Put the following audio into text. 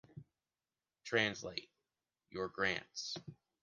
Translate: your grants